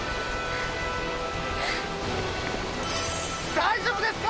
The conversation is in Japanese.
大丈夫ですか？